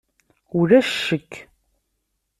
Ulac ccek.